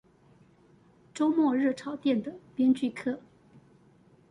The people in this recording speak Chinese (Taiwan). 週末熱炒店的編劇課